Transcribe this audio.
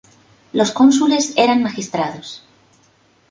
Los cónsules eran magistrados.